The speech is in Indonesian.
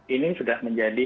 ini sudah menjadi